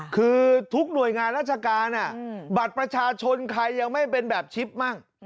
คือทุกหน่วยงานราชการบัตรประชาชนใครยังไม่เป็นแบบชิปมั่ง